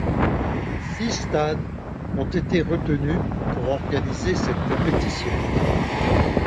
Six stades ont été retenus pour organiser cette compétition.